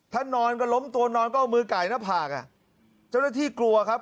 ถ้านอนก็ล้มตัวนอนก็เอามือไก่หน้าผากอ่ะเจ้าหน้าที่กลัวครับ